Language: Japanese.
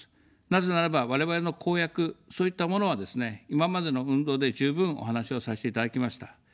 なぜならば、我々の公約、そういったものはですね、今までの運動で十分お話をさせていただきました。